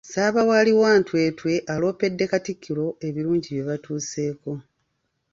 Ssaabawaali wa Ntwetwe aloopedde Katikkiro ebirungi bye batuuseeko.